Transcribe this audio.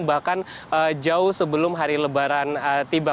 bahkan jauh sebelum hari lebaran tiba